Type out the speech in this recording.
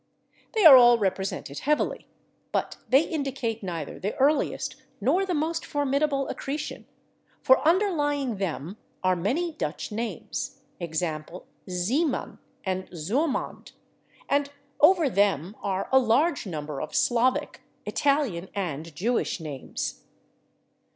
They are all represented heavily, but they indicate neither the earliest nor the most formidable accretion, for underlying them are many Dutch [Pg270] names, /e. g./, /Zeeman/ and /Zuurmond/, and over them are a large number of Slavic, Italian and Jewish names.